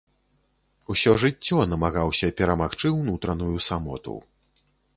Усё жыццё намагаўся перамагчы ўнутраную самоту.